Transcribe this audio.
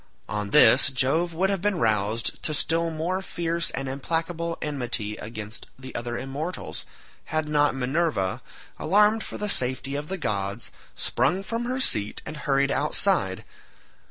On this, Jove would have been roused to still more fierce and implacable enmity against the other immortals, had not Minerva, alarmed for the safety of the gods, sprung from her seat and hurried outside.